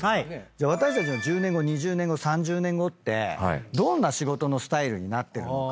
私たちの１０年後２０年後３０年後どんな仕事のスタイルになってるのか。